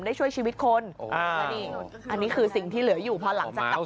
ได้ช่วยชีวิตคนอันนี้คือสิ่งที่เหลืออยู่พอหลังจากกลับ